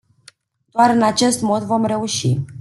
Doar în acest mod vom reuși.